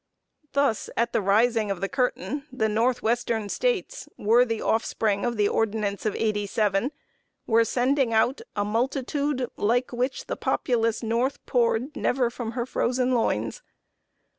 Thus, at the rising of the curtain, the northwestern States, worthy offspring of the Ordinance of Eighty seven, were sending out "A multitude, like which the populous North Poured never from her frozen loins."